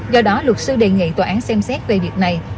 do đó luật sư đề nghị tòa án xem xét về việc này